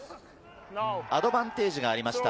アドバンテージがありました。